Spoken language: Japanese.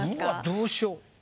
どうしよう。